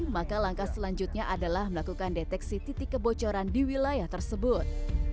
maka langkah selanjutnya adalah melakukan deteksi titik kebocoran di wilayah tersebut